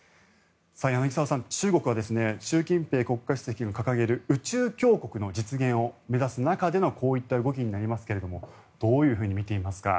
柳澤さん、中国は習近平国家主席が掲げる宇宙強国の実現を目指す中でのこういった動きになりますがどう見ていますか。